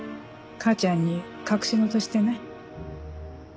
母ちゃんに隠し事してない？